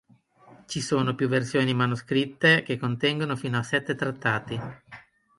Ci sono più versioni manoscritte, che contengono fino a sette trattati.